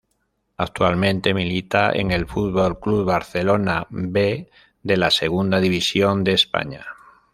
Actualmente milita en el Fútbol Club Barcelona "B" de la Segunda División de España.